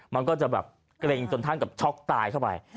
มันก็จะแบบเกร็งจนท่านกับช็อกตายเข้าไป